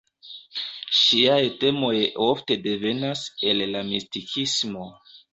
Ŝiaj temoj ofte devenas el la mistikismo.